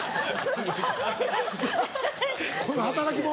この働き者！